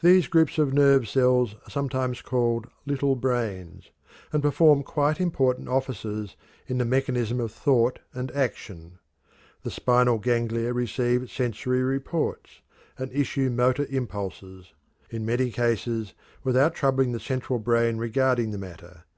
These groups of nerve cells are sometimes called "little brains," and perform quite important offices in the mechanism of thought and action. The spinal ganglia receive sensory reports, and issue motor impulses, in many cases, without troubling the central brain regarding the matter.